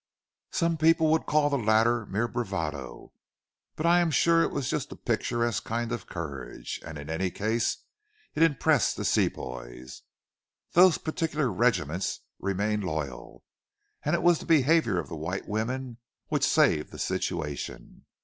Some people would call the latter mere bravado, but I am sure it was just a picturesque kind of courage, and in any case it impressed the Sepoys. Those particular regiments remained loyal and it was the behaviour of the white women which saved the situation.